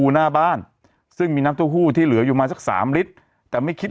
หน้าบ้านซึ่งมีน้ำเต้าหู้ที่เหลืออยู่มาสักสามลิตรแต่ไม่คิด